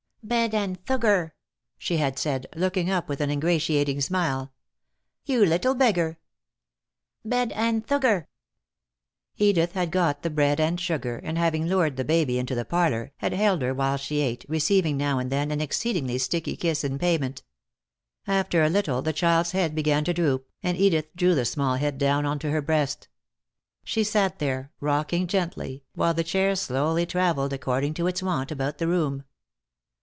"Bed and thugar," she had said, looking up with an ingratiating smile. "You little beggar!" "Bed and thugar." Edith had got the bread and sugar, and, having lured the baby into the parlor, had held her while she ate, receiving now and then an exceedingly sticky kiss in payment. After a little the child's head began to droop, and Edith drew the small head down onto her breast. She sat there, rocking gently, while the chair slowly traveled, according to its wont, about the room.